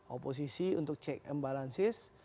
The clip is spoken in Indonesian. oposisi untuk check and balances